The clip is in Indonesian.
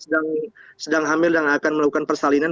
ibu yang sedang hamil dan akan melakukan persalinan